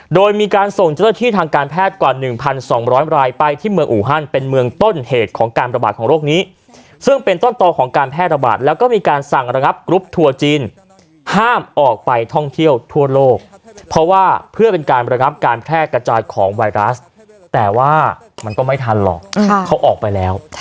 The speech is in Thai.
โดยมีการส่งเจ้าหน้าที่ทางการแพทย์กว่า๑๒๐๐รายไปที่เมืองอูฮันเป็นเมืองต้นเหตุของการประบาดของโรคนี้ซึ่งเป็นต้นต่อของการแพร่ระบาดแล้วก็มีการสั่งระงับกรุ๊ปทัวร์จีนห้ามออกไปท่องเที่ยวทั่วโลกเพราะว่าเพื่อเป็นการระงับการแพร่กระจายของไวรัสแต่ว่ามันก็ไม่ทันหรอกเขาออกไปแล้ว